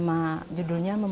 nama judulnya membumi